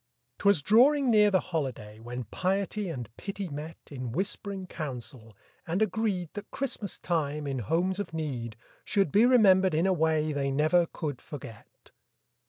'Twas drawing near the holiday, When piety and pity met In whisp'ring council, and agreed That Christmas time, in homes of need, Should be remembered in a way They never could forget.